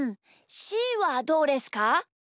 しーはどうですか？